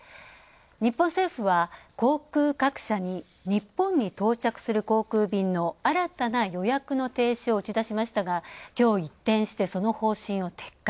日本政府は、航空各社に日本に到着する航空便の新たな予約の停止を打ち出しましたがきょう、一転してその方針を撤回。